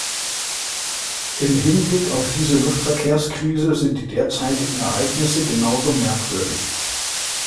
Im Hinblick auf diese Luftverkehrskrise sind die derzeitigen Ereignisse genauso merkwürdig.